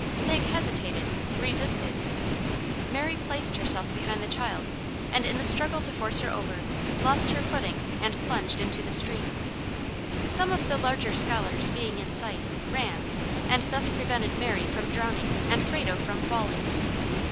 Nig hesitated, resisted. Mary placed herself behind the child, and, in the struggle to force her over, lost her footing and plunged into the stream. Some of the larger scholars being in sight, ran, and thus prevented Mary from drowning and Frado from falling.